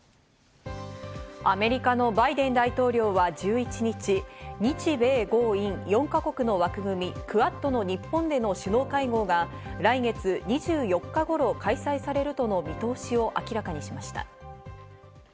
アメリカのバイデン大統領は１１日、日米豪印４か国の枠組み＝クアッドの日本での首脳会合が来月２４日頃、開催されるとの見通しを明らかにしました。